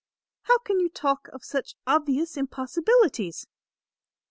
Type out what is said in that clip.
"How can you talk of such obvious impossibilities."